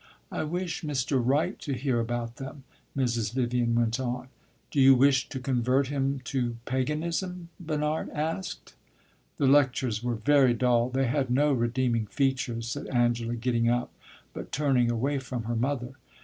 I wish Mr. Wright to hear about them," Mrs. Vivian went on. "Do you wish to convert him to paganism?" Bernard asked. "The lectures were very dull; they had no redeeming features," said Angela, getting up, but turning away from her mother.